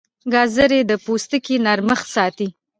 ګازرې د پوستکي نرمښت ساتي.